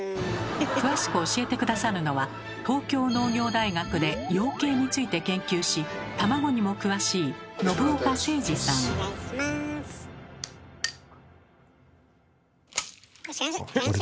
詳しく教えて下さるのは東京農業大学で養鶏について研究し卵にも詳しい先生⁉先生。